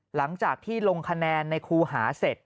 หลังจากที่ลงคะแนนในครูหาเสร็จ